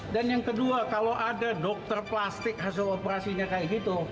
dan yang kedua kalau ada dokter plastik hasil operasinya kayak gitu